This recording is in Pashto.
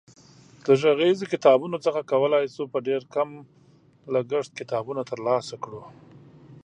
د غږیزو کتابتونونو څخه کولای شو په ډېر کم لګښت کتابونه ترلاسه کړو.